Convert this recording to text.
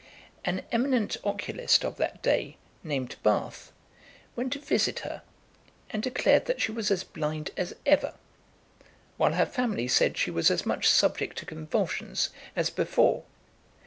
An eminent oculist of that day, named Barth, went to visit her, and declared that she was as blind as ever; while her family said she was as much subject to convulsions as before.